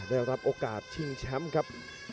ได้รับโอกาสชิงแชมป์ครับ